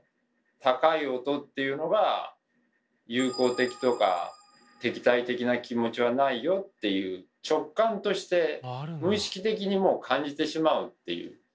高い音っていうのは友好的とか「敵対的な気持ちはないよ」っていう直感として無意識的にもう感じてしまうっていう。